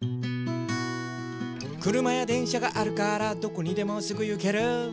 「くるまやでんしゃがあるからどこにでもすぐゆける」